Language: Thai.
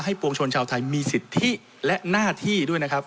ปวงชนชาวไทยมีสิทธิและหน้าที่ด้วยนะครับ